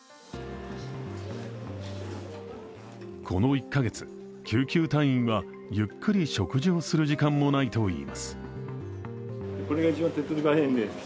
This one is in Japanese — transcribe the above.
この１カ月救急隊員はゆっくり食事をする時間もないといいます。